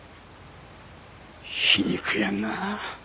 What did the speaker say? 皮肉やなあ。